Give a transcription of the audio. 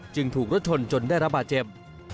ถูกรถชนจนได้รับบาดเจ็บ